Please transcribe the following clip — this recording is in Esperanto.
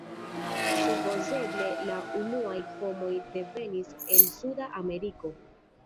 Supozeble la unuaj homoj devenis el Suda Ameriko.